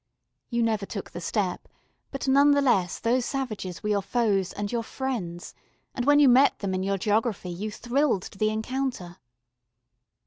You never took the step, but none the less those savages were your foes and your friends, and when you met them in your geography you thrilled to the encounter.